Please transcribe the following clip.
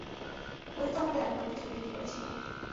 ওই তো আমাদের আসবাবপত্র বিক্রি করেছিল।